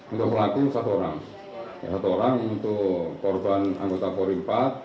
untuk pelaku satu orang ya satu orang untuk korban anggota polri iv